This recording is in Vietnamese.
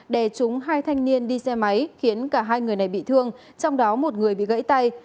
đè trúng hai thanh niên đi xe máy khiến cả hai người này bị thương trong đó một người bị gãy tay